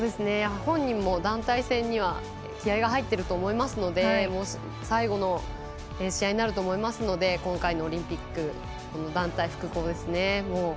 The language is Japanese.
本人も団体戦には気合いが入ってると思いますので最後の試合になると思いますので今回のオリンピック団体複合ですね。